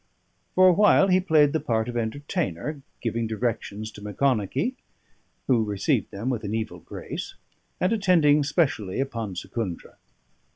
For a while he played the part of entertainer, giving directions to Macconochie, who received them with an evil grace, and attending specially upon Secundra.